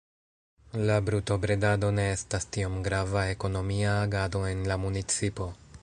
La brutobredado ne estas tiom grava ekonomia agado en la municipo.